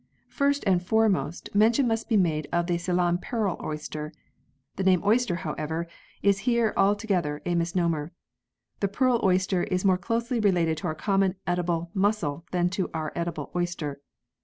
First and foremost mention must be made of the Ceylon Pearl Oyster. The name oyster, however, is here altogether a misnomer. The pearl oyster is more closely related to our common edible mussel than to our edible oyster.